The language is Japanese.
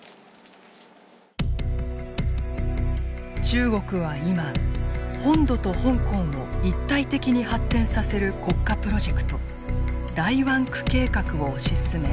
中国は今本土と香港を一体的に発展させる国家プロジェクト大湾区計画を推し進め